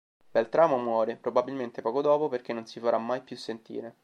Beltramo muore, probabilmente, poco dopo, perché non si farà mai più sentire.